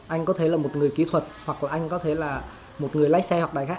anh có thể là một người kỹ thuật hoặc là anh có thể là một người lái xe hoặc đại khách